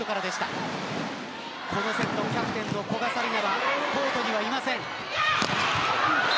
この試合、このセットキャプテンの古賀紗理那はコートにいません。